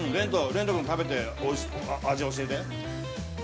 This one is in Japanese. ◆れんと君、食べて、味教えて。